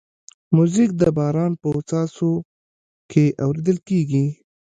موزیک د باران په څاڅو کې اورېدل کېږي.